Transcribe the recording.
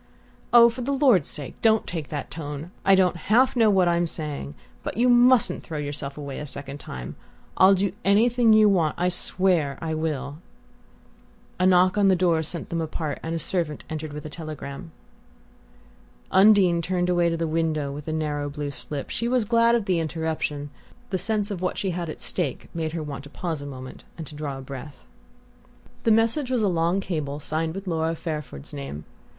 "Oh, for the Lord's sake don't take that tone! I don't half know what I'm saying...but you mustn't throw yourself away a second time. I'll do anything you want I swear I will!" A knock on the door sent them apart, and a servant entered with a telegram. Undine turned away to the window with the narrow blue slip. She was glad of the interruption: the sense of what she had at stake made her want to pause a moment and to draw breath. The message was a long cable signed with Laura Fairford's name.